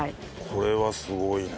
これはすごいね。